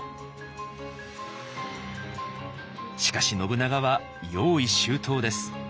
しかし信長は用意周到です。